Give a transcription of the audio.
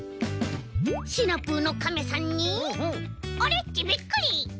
シナプーのカメさんにオレっちびっくり！